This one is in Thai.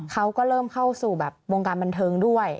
เขาก็เริ่มเข้าสู่แบบวงการบันเทิงด้วย